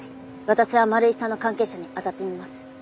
私は丸井さんの関係者に当たってみます。